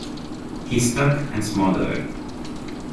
He stuck and smothered.